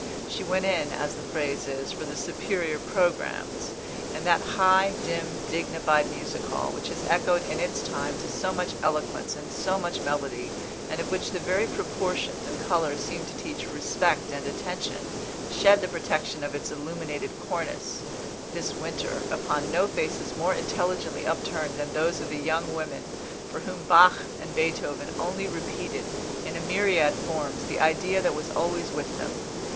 She went in, as the phrase is, for the superior programmes, and that high, dim, dignified Music Hall, which has echoed in its time to so much eloquence and so much melody, and of which the very proportions and colour seem to teach respect and attention, shed the protection of its illuminated cornice, this winter, upon no faces more intelligently upturned than those of the young women for whom Bach and Beethoven only repeated, in a myriad forms, the idea that was always with them.